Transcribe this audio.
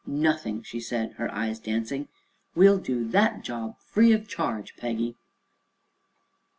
"Nothing," she said, her eyes dancing; "We'll do that job free of charge, Peggy!"